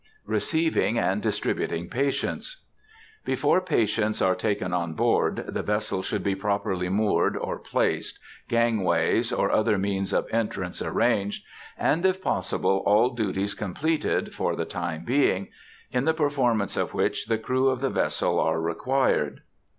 RECEIVING AND DISTRIBUTING PATIENTS. Before patients are taken on board, the vessel should be properly moored or placed, gangways or other means of entrance arranged, and, if possible, all duties completed, for the time being, in the performance of which the crew of the vessel are required.